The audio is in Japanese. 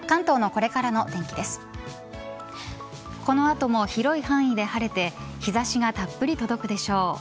この後も広い範囲で晴れて日差しがたっぷり届くでしょう。